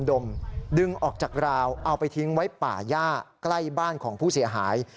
ดึงออกจากราวเอาไปทิ้งไว้ป่าย่าใกล้บ้านของผู้เสียหาย